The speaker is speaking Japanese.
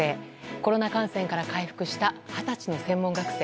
コロナ感染から回復した二十歳の専門学生。